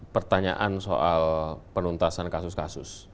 pertanyaan soal penuntasan kasus kasus